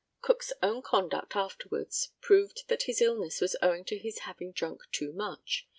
] Cook's own conduct afterwards proved that his illness was owing to his having drunk too much.